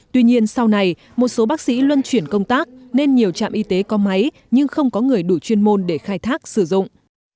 tuy nhiên sau này một số bác sĩ luân chuyển công tác nên nhiều trạm y tế có máy nhưng không có người đủ chuyên môn để khai thác sử dụng